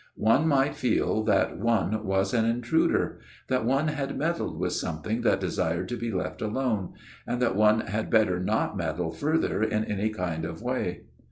One might feel that one was an intruder ; that one had meddled with something that desired to be left alone, and that one had better not meddle further in any kind of way."